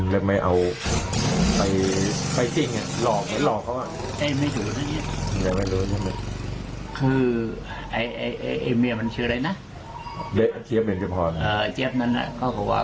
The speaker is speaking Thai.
และเค้าก็จัดแจ้งกินเหรียญกัน